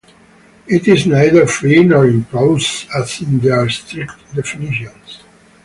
It is neither free nor improvised as in their strict definitions.